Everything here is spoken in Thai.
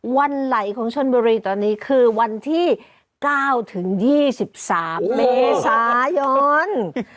วันไหลของชนบุรีตอนนี้คือวันที่๙ถึง๒๓เมษายน